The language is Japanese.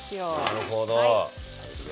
なるほど。